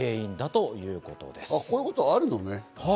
こういうことあるのね。